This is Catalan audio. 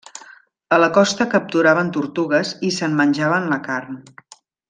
A la costa capturaven tortugues i se'n menjaven la carn.